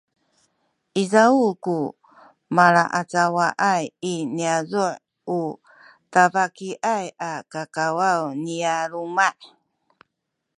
izaw ku malaacawaay i niyazu’ u tabakiyay a kawaw nya luma’